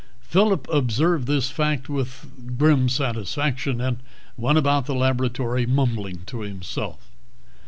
Phillip observed this fact with grim satisfaction, and went about the laboratory mumbling to himself.